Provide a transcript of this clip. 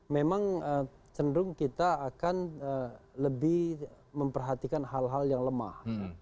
memang cenderung kita akan lebih memperhatikan hal hal yang lemah